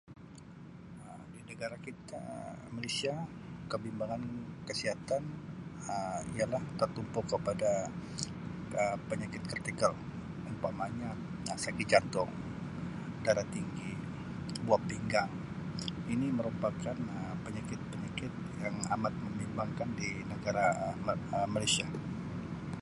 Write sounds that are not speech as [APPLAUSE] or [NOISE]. Um Di negara kita Malaysia kebimbangan kesihatan Um ialah tertumpu kepada Um penyakit kritikal. Umpamanya sakit jantung, darah tinggi, buah pinggang [NOISE] ini merupakan Um penyakit-penyakit yang amat membimbangkan di negara Ma-[Um] Malaysia.